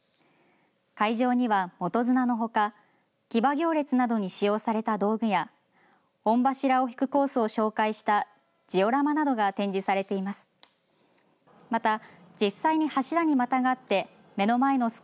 会場には元綱のほか騎馬行列などに使用された道具や御柱をひくコースを紹介したジオラマなどが展示されています。